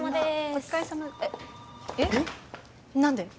お疲れさまえっ何で？